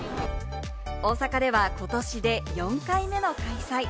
大阪では今年で４回目の開催。